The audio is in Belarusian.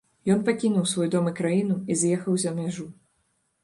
Ён пакінуў свой дом і краіну і з'ехаў за мяжу.